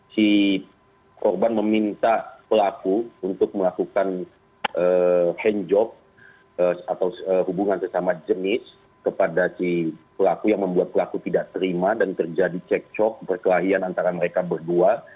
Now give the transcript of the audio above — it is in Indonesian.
si korban meminta pelaku untuk melakukan hand job atau hubungan sesama jenis kepada si pelaku yang membuat pelaku tidak terima dan terjadi cek cok perkelahian antara mereka berdua